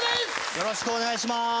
よろしくお願いします。